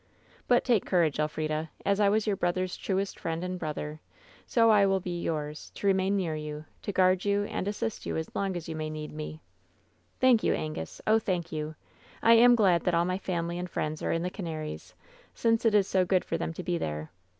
But take coura^, Elfrida. As I was your brother's truest friend and brother, so I will be yours, to remain near you, to ^ard you and assist you as long as you may need me/ " 'Thank you, Angus ! Oh, thank you ! I am glad that all my family and friends are in the Canaries, since it is so good for them to be there.